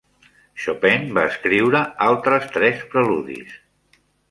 Chopin va escriure altres tres preludis.